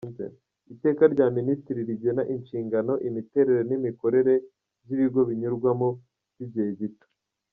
Iteka rya Minisitiri rigena inshingano, imiterere n’imikorere by’ibigo binyurwamo by’igihe gito;